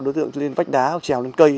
đối tượng lên vách đá hoặc trèo lên cây